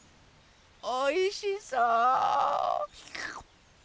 おいしそう。